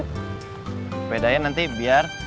sepedanya nanti biar